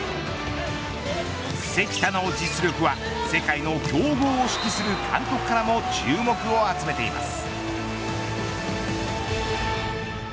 関田の実力は世界の強豪を指揮する監督からも注目を集めています。